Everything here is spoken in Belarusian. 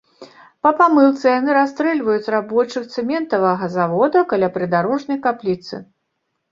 Па памылцы яны расстрэльваюць рабочых цэментавага завода каля прыдарожнай капліцы.